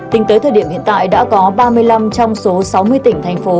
tính tới thời điểm hiện tại đã có ba mươi năm trong số sáu mươi tỉnh thành phố